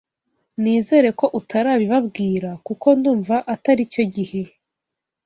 Nizere ko utarabibabwira kuko ndumva atari cyo gihe